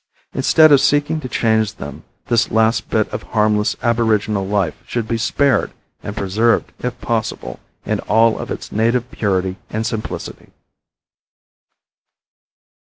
Instead of seeking to change them this last bit of harmless aboriginal life should be spared and preserved, if possible, in all of its native purity and simplicity.